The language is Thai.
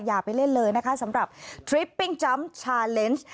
อย่าไปเล่นเลยสำหรับทริปปิ้งจั๊มป์ชาเลน์ช์